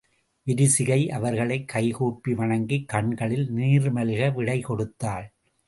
விரிசிகை அவர்களைக் கைகூப்பி வணங்கிக் கண்களில் நீர்மல்க விடை கொடுத்தாள்.